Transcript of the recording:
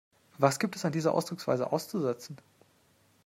Was gibt es an dieser Ausdrucksweise auszusetzen?